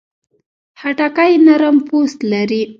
خټکی نرم پوست لري.